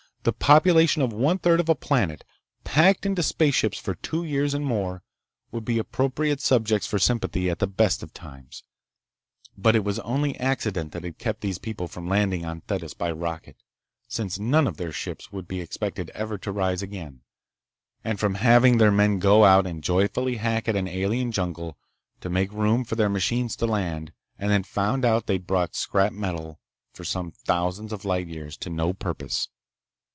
The population of one third of a planet, packed into spaceships for two years and more, would be appropriate subjects for sympathy at the best of times. But it was only accident that had kept these people from landing on Thetis by rocket—since none of their ships would be expected ever to rise again—and from having their men go out and joyfully hack at an alien jungle to make room for their machines to land—and then find out they'd brought scrap metal for some thousands of light years to no purpose.